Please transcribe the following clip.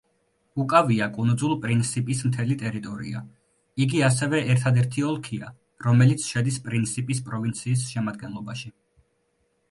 უკავია კუნძულ პრინსიპის მთელი ტერიტორია, იგი ასევე ერთადერთი ოლქია, რომელიც შედის პრინსიპის პროვინციის შემადგენლობაში.